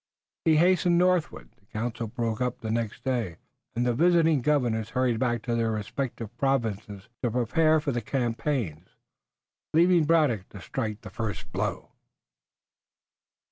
He hastened northward, the council broke up the next day, and the visiting governors hurried back to their respective provinces to prepare for the campaigns, leaving Braddock to strike the first blow.